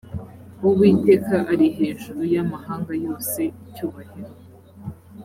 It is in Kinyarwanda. uwiteka ari hejuru y amahanga yose icyubahiro